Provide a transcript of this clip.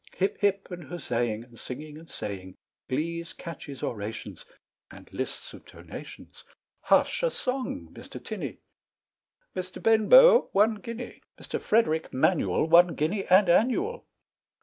Hip, hip! and huzzaing, And singing and saying, Glees, catches, orations, And lists of donations, Hush! a song, Mr. Tinney "Mr. Benbow, one guinea; Mr. Frederick Manual, One guinea and annual."